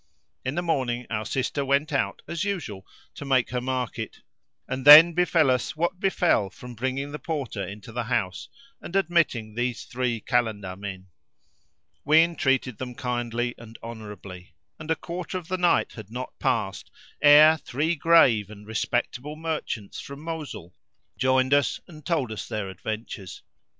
In the morning our sister went out, as usual, to make her market and then befel us what befel from bringing the Porter into the house and admitting these three Kalandar men. We entreated them kindly and honourably and a quarter of the night had not passed ere three grave and respectable merchants from Mosul joined us and told us their adventures.